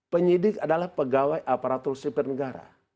penyelidik adalah pegawai aparatur sifir negara